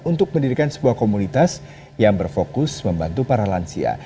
untuk mendirikan sebuah komunitas yang berfokus membantu para lansia